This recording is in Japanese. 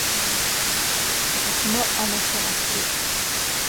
私もあの人が好き